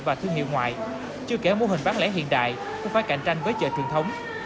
và thương hiệu ngoại chưa kể mô hình bán lẻ hiện đại cũng phải cạnh tranh với chợ truyền thống